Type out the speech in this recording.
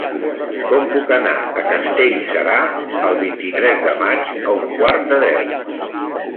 Com puc anar a Castellserà el vint-i-tres de maig a un quart de deu?